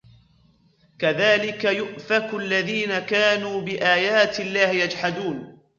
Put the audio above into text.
كذلك يؤفك الذين كانوا بآيات الله يجحدون